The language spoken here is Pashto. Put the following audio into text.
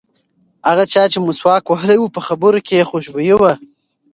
هغه چا چې مسواک وهلی و په خبرو کې یې خوشبويي وه.